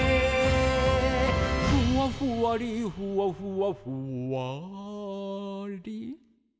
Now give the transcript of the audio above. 「ふわふわりふわふわふわり」